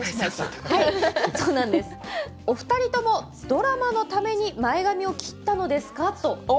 お二人ともドラマのために前髪を切ったのですか？